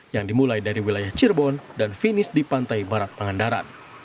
yang dimulai dari wilayah cirebon dan finish di pantai barat pangandaran